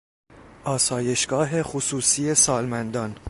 آسایشگاه خصوصی سالمندان